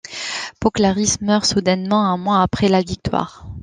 Pau Claris meurt soudainement un mois après la victoire.